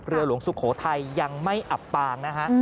หลวงสุโขทัยยังไม่อับปางนะฮะ